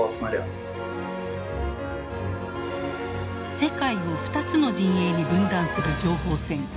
世界を２つの陣営に分断する情報戦。